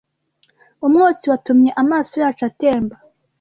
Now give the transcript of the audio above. Umwotsi watumye amaso yacu atemba.